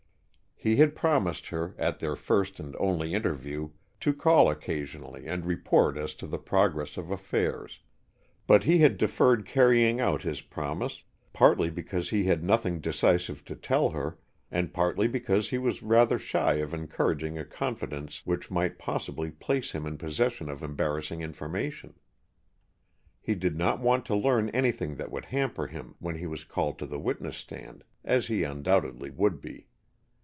He had promised her, at their first and only interview, to call occasionally and report as to the progress of affairs, but he had deferred carrying out his promise, partly because he had nothing decisive to tell her and partly because he was rather shy of encouraging a confidence which might possibly place him in possession of embarrassing information. He did not want to learn anything that would hamper him when he was called to the witness stand, as he undoubtedly would be.